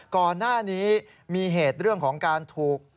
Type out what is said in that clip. ก่อนหน้านี้มีเหตุเรื่องของการถูก